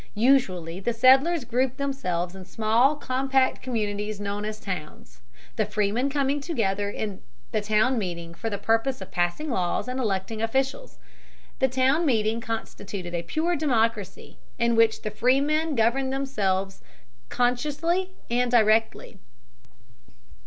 Usually the settlers grouped themselves in small, compact communities known as towns, the freemen coming together in the town meeting for the purpose of passing laws and electing officials. The town meeting constituted a pure democracy, in which the freemen governed themselves consciously and directly.